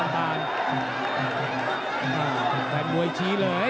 แฟนมวยชี้เลย